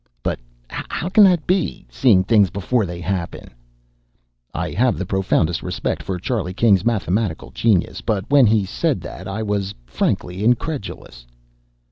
"But how can that be? Seeing things before they happen!" I have the profoundest respect for Charlie King's mathematical genius. But when he said that I was frankly incredulous.